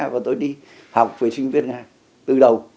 và tôi đi học với sinh viên nga từ đầu